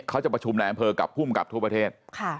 เขาจะประชุมในอำเภอกับภูมิกับทั่วประเทศ